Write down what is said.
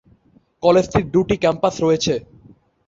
কলেজটির দুটি ক্যাম্পাস রয়েছে।